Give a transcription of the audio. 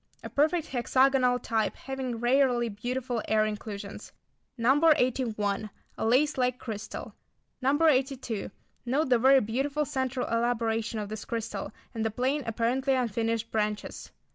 A perfect hexagonal type having rarely beautiful air inclusions. No. 81. A lace like crystal. No. 82. Note the very beautiful centre elaboration of this crystal, and the plain, apparently unfinished branches.